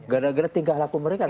gara gara tingkah laku mereka